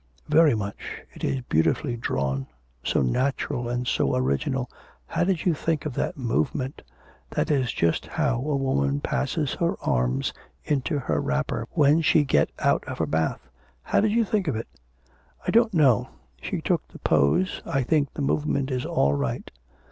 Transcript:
'Very much. It is beautifully drawn, so natural and so original. How did you think of that movement? That is just how a woman passes her arms into her wrapper when she get out of her bath. How did you think of it?' 'I don't know. She took the pose. I think the movement is all right.'